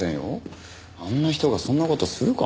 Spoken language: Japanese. あんな人がそんな事するかな？